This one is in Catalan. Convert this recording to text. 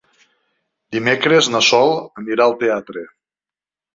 Dimecres na Sol anirà al teatre.